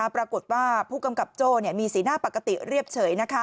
ปรากฏว่าผู้กำกับโจ้มีสีหน้าปกติเรียบเฉย